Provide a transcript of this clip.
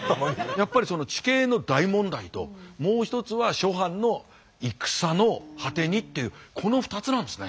やっぱり地形の大問題ともう一つは諸藩の戦の果てにっていうこの２つなんですね。